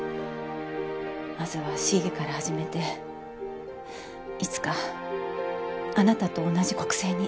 まずは市議から始めていつかあなたと同じ国政に。